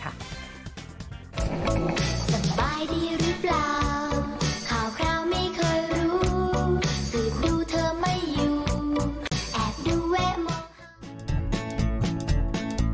สบายดีหรือเปล่าข่าวคราวไม่เคยรู้สืบดูเธอไม่อยู่แอบดูแวะมอง